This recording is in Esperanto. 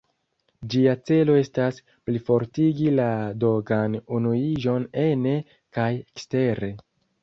Ĝia celo estas plifortigi la dogan-unuiĝon ene kaj ekstere.